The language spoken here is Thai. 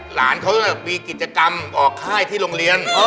หลานเขามีกิจกรรมออกค่ายที่โรงเรียน